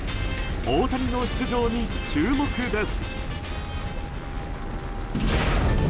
大谷の出場に注目です。